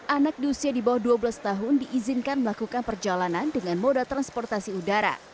anak diusia di bawah dua belas tahun diizinkan melakukan perjalanan dengan modal transportasi udara